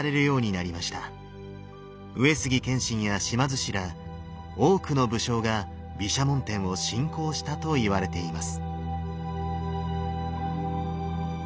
上杉謙信や島津氏ら多くの武将が毘沙門天を信仰したといわれています。